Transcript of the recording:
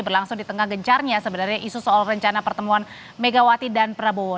berlangsung di tengah gencarnya sebenarnya isu soal rencana pertemuan megawati dan prabowo